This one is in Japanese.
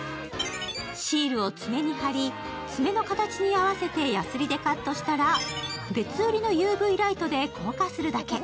シールを爪に貼り、爪の形に合わせて、やすりでカットしたら、別売りのＵＶライトで硬化するだけ。